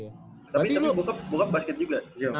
tapi bokap basket juga